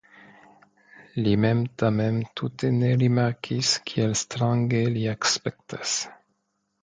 Li mem tamen tute ne rimarkis, kiel strange li aspektas.